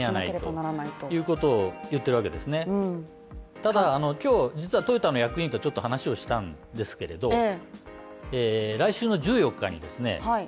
ただ今日実はトヨタの役員とちょっと話をしたんですけれど来週の１４日にですね。